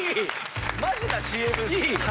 マジなＣＭです。